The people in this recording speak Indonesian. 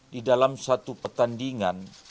di dalam satu pertandingan